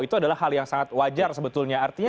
itu adalah hal yang sangat wajar sebetulnya